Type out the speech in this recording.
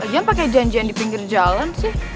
lagi yang pake janjian di pinggir jalan sih